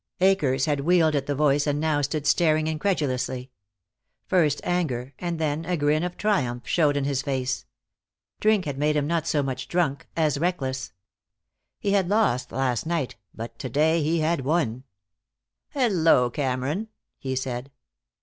Akers had wheeled at the voice, and now stood staring incredulously. First anger, and then a grin of triumph, showed in his face. Drink had made him not so much drunk as reckless. He had lost last night, but to day he had won. "Hello, Cameron," he said.